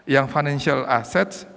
yang financial assets